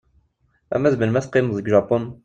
Arma d melmi ara teqqimeḍ deg Japun?